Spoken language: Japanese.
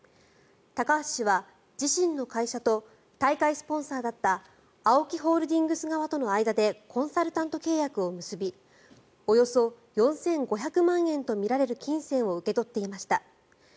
高橋氏は、自身の会社と大会スポンサーだったＡＯＫＩホールディングス側との間でコンサルタント契約を結びおよそ４５００万円とみられる金銭を受け取っていました。